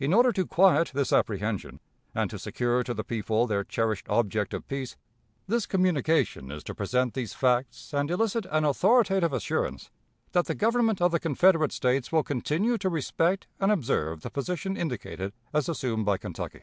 In order to quiet this apprehension, and to secure to the people their cherished object of peace, this communication is to present these facts and elicit an authoritative assurance that the Government of the Confederate States will continue to respect and observe the position indicated as assumed by Kentucky.